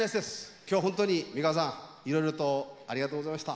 今日は本当に美川さんいろいろとありがとうございました。